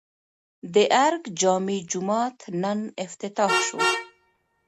د ارګ جامع جومات نن افتتاح شو